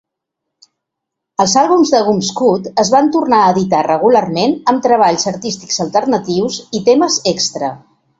Els àlbums de Wumpscut es van tornar a editar regularment amb treballs artístics alternatius i temes extra.